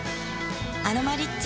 「アロマリッチ」